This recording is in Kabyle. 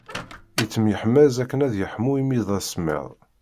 Ittemyeḥmaẓ akken ad yeḥmu imi d asemmiḍ.